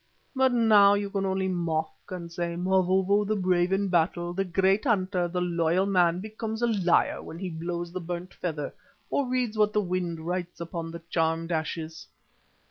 But now you can only mock and say, 'Mavovo the brave in battle, the great hunter, the loyal man, becomes a liar when he blows the burnt feather, or reads what the wind writes upon the charmed ashes.